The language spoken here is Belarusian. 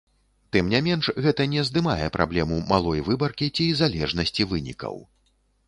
Тым не менш, гэта не здымае праблему малой выбаркі ці залежнасці вынікаў.